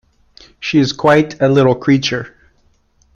She is quite a little creature.